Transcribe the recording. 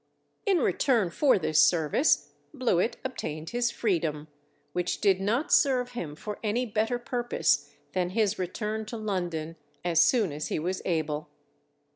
In return for this service, Blewit obtained his freedom, which did not serve him for any better purpose than his return to London as soon as be was able.